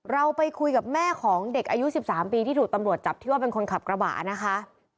เราไปคุยกับแม่ของเด็กอายุ๑๓ปีที่ถูกตำรวจจับที่ว่าเป็นคนขับกระบะนะคะ